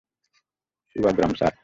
উবাগরাম, sir.